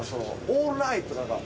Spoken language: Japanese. オールライトとか？